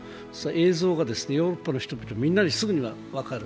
映像がヨーロッパの人々、みんなにすぐに分かる。